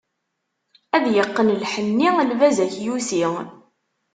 Ad yeqqen lḥenni, lbaz akyusi.